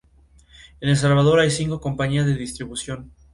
Al menos, esta vez no se llevaron a la poeta.